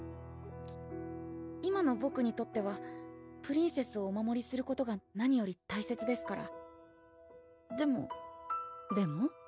今のボクにとってはプリンセスをお守りすることが何より大切ですからでもでも？